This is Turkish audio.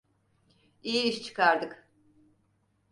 İyi iş çıkardık.